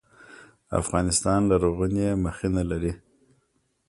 افغانستان لرغوني مخینه لري